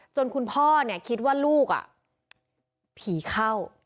คุณพ่อคิดว่าลูกผีเข้า